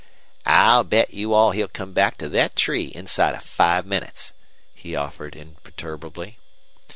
"I'll bet you all he'll come back to thet tree inside of five minnits," he offered, imperturbably.